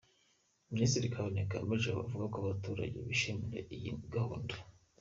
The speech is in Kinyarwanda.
Minisitiri Kaboneka yakomeje avuga ko abaturage bishimira iyi gahunda.